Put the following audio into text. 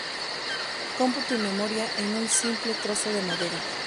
Cómputo y memoria en un simple trozo de madera.